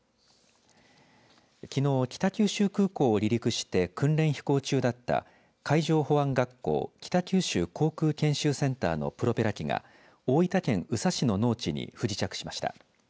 きのう北九州空港を離陸して訓練飛行中だった海上保安学校北九州航空研修センターのプロペラ機が大分県宇佐市の農地に不時着しました。